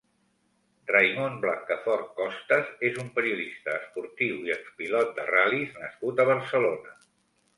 Raimon Blancafort Costas és un periodista esportiu i expilot de ral·lis nascut a Barcelona.